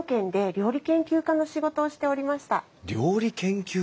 料理研究家！